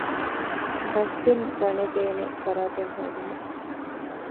ޑަސްބިން ގަނެދޭނެ ފަރާތެއް ހޯދުމަށް